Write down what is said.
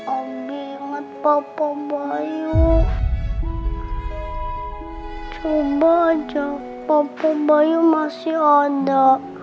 abi inget papa bayu coba aja papa bayu masih ada